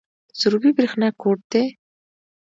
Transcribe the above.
د سروبي بریښنا کوټ دی